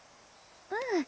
うん。